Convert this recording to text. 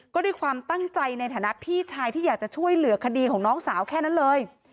ก็ด้วยความตั้งใจในฐานะพี่ชายที่อยากจะช่วยเหลือคดีของน้องสาวแค่นั้นเลย